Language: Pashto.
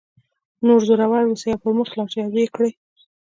نو زړور اوسئ او پر مخ لاړ شئ او ویې کړئ